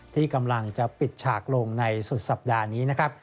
ที่กำลังจะปิดฉากลงในสุดสัปดาห์นี้นะครับ